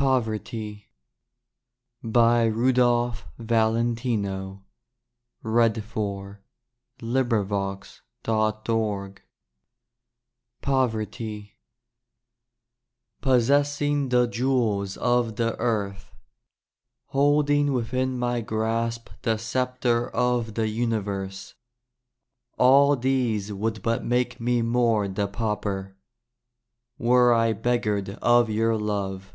my heart, "We meet at sunshine tomorrow." DAY DREAMS POVERTY Possessing the jewels of the earth, Holding within my grasp the sceptre of the universe, All these would but make me more the pauper — Were I beggared of your love.